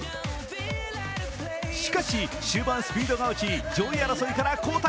しかし終盤、スピードが落ち上位争いから後退。